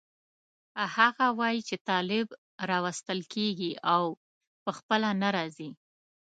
هغه وایي چې طالب راوستل کېږي او په خپله نه راځي.